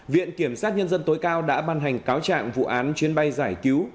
viện kiểm sát nhân dân tối cao đã ban hành cáo trạng vụ án chuyến bay giải cứu